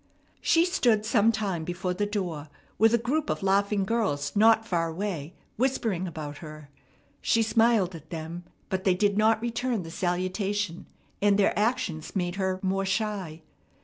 She stood some time before the door, with a group of laughing girls not far away whispering about her. She smiled at them; but they did not return the salutation, and their actions made her more shy.